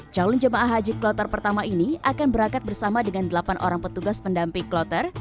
calon jemaah haji kloter pertama ini akan berangkat bersama dengan delapan orang petugas pendamping kloter